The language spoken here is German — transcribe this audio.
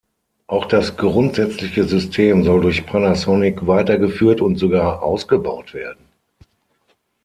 Auch das grundsätzliche System soll durch Panasonic weitergeführt und sogar ausgebaut werden.